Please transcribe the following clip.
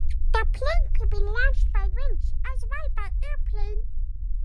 The plane could be launched by winch as well by airplane.